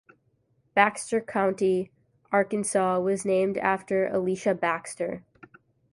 Baxter County, Arkansas was named after Elisha Baxter.